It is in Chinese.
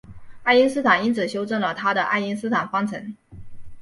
爱因斯坦因此修正了他的爱因斯坦方程。